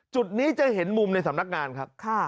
จุดนี้จะเห็นมุมในสำนักงานครับ